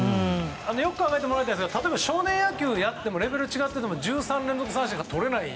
よく考えてもらいたいんですが少年野球をやってレベルが違っていても１３連続三振なんてとれない。